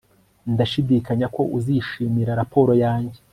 Ndashidikanya ko uzishimira raporo yanjye